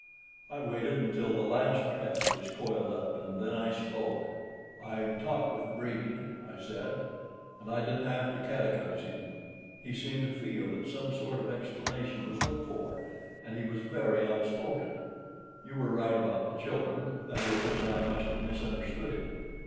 I waited until the last tress was coiled up, and then I spoke: "I've talked with Brede," I said, "and I didn't have to catechize him. He seemed to feel that some sort of explanation was looked for, and he was very outspoken. You were right about the children—that is, I must have misunderstood him.